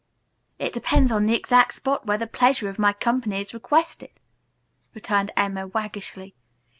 "It depends on the exact spot where the pleasure of my company is requested," returned Emma waggishly.